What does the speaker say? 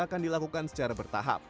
akan dilakukan secara bertahap